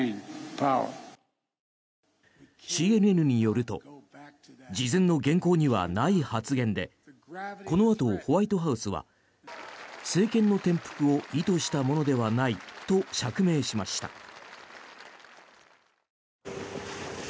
ＣＮＮによると事前の原稿にはない発言でこのあと、ホワイトハウスは政権の転覆を意図したものではないと釈明しました。